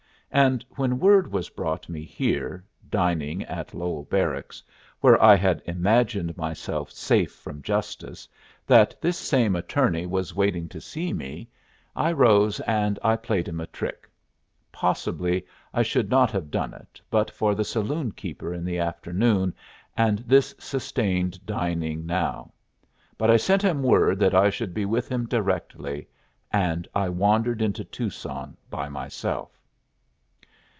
And when word was brought me here, dining at Lowell Barracks, where I had imagined myself safe from justice, that this same attorney was waiting to see me, I rose and I played him a trick. Possibly I should not have done it but for the saloon keeper in the afternoon and this sustained dining now; but I sent him word I should be with him directly and I wandered into Tucson by myself!